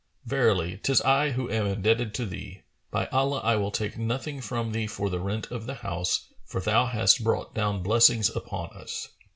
Verily, 'tis I who am indebted to thee. By Allah, I will take nothing from thee for the rent of the house, for thou hast brought down blessings upon us!